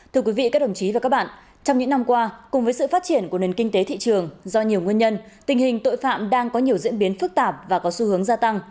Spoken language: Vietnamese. thưa quý vị các đồng chí và các bạn trong những năm qua cùng với sự phát triển của nền kinh tế thị trường do nhiều nguyên nhân tình hình tội phạm đang có nhiều diễn biến phức tạp và có xu hướng gia tăng